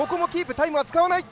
タイムは使わない。